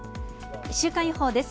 週間予報です。